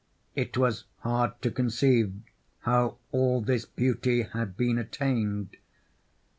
It was hard to conceive how all this beauty had been attained.